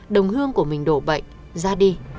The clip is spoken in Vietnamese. đồng hương của mình đổ bệnh ra đi